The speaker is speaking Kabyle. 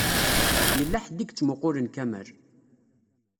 Yella ḥedd i yettmuqqulen Kamal.